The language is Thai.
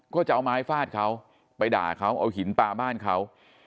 ก็จะเอาไม้ฟาดเขาไปด่าเขาเอาหินปลาบ้านเขา